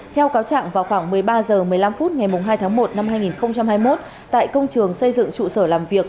theo cáo trạng vào khoảng một mươi ba h một mươi năm phút ngày hai tháng một năm hai nghìn hai mươi một tại công trường xây dựng trụ sở làm việc